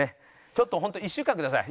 ちょっとホント１週間ください